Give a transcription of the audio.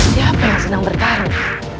siapa yang senang bertarung